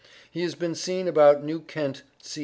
He has been seen about New Kent C.